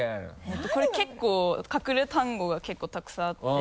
これ結構隠れ単語が結構たくさんあって。